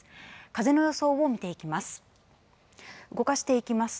風の予想を見ていきます。